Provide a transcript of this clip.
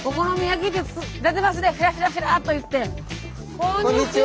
こんにちは！